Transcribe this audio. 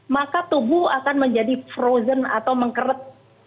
maka tubuh akan menjadi frozen atau mengkerut